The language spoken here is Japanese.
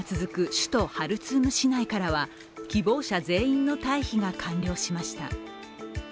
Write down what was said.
首都ハルツーム市内からは希望者全員の退避が完了しました。